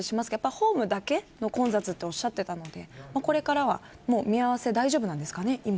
ホームだけの混雑とおっしゃっていたのでこれからは見合わせ大丈夫なんですかね。